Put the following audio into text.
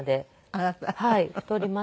あなた？